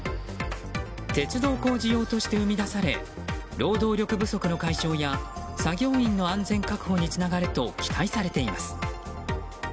鉄道工事用として生み出され労働力不足の解消や作業員の安全確保につながると期待されています。